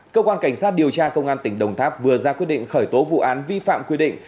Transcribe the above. cơ quan cảnh sát điều tra công an tỉnh đồng tháp vừa ra quyết định khởi tố vụ án vi phạm quy định